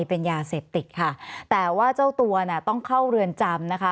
เป็นยาเสพติดค่ะแต่ว่าเจ้าตัวเนี่ยต้องเข้าเรือนจำนะคะ